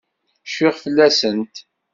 Cfiɣ fell-asent.